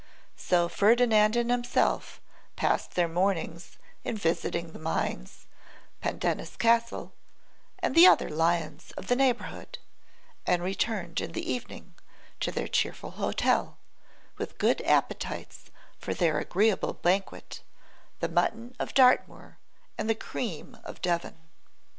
So Ferdinand and himself passed their mornings in visiting the mines, Pendennis Castle, and the other lions of the neighbourhood; and returned in the evening to their cheerful hotel, with good appetites for their agreeable banquet, the mutton of Dartmoor and the cream of Devon.